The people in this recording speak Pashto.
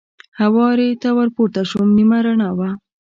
هوارې ته ور پورته شوم، نیمه رڼا وه.